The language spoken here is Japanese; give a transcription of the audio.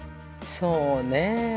そうね。